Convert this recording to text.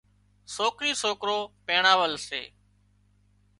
سوڪري سوڪرو پينڻاول سي